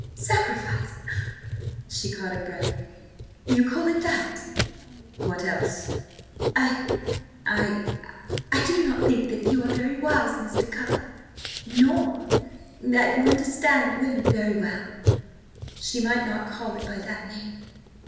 "Sacrifice!" She caught her breath. "You call it that!" "What else?" "I ... I ... I do not think that you are very wise, Mr. Carr. Nor ... that you ... understand women ... very well. She might not call it by that name."